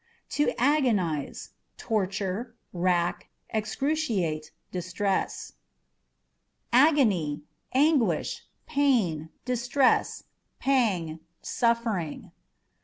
To Agonize â€" torture, wrack, excruciate, distress. Agony â€" anguish, pain, distress, pang, suffering.